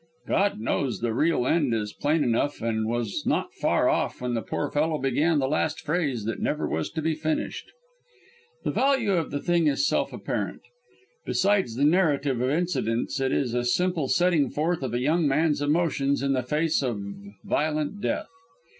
God knows the real end is plain enough and was not far off when the poor fellow began the last phrase that never was to be finished. The value of the thing is self apparent. Besides the narrative of incidents it is a simple setting forth of a young man's emotions in the very face of violent death.